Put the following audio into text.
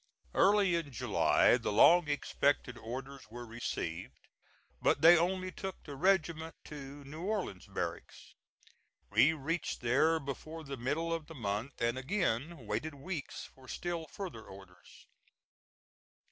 Early in July the long expected orders were received, but they only took the regiment to New Orleans Barracks. We reached there before the middle of the month, and again waited weeks for still further orders.